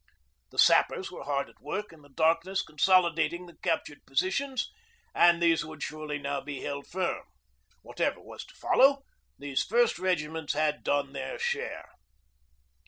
The sappers were hard at work in the darkness consolidating the captured positions, and these would surely now be held firm. Whatever was to follow, these first regiments had done their share.